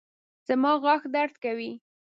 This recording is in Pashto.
زما غاښ درد کوي